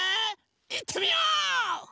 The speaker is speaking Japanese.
いってみよう！